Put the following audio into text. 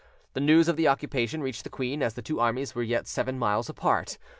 The news of the occupation reached the queen as the two armies were yet seven miles apart.